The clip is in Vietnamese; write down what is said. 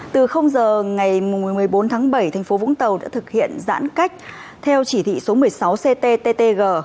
từ giờ ngày một mươi bốn tháng bảy thành phố vũng tàu đã thực hiện giãn cách theo chỉ thị số một mươi sáu cttg